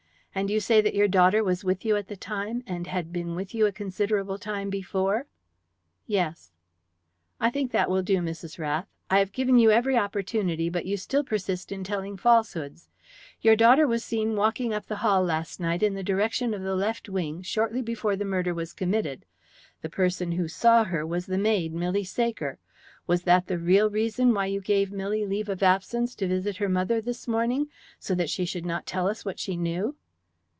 "And you say that your daughter was with you at the time, and had been with you a considerable time before?" "Yes." "I think that will do, Mrs. Rath, I have given you every opportunity, but you still persist in telling falsehoods. Your daughter was seen walking up the hall last night in the direction of the left wing shortly before the murder was committed. The person who saw her was the maid Milly Saker. Was that the real reason why you gave Milly leave of absence to visit her mother this morning so that she should not tell us what she knew?"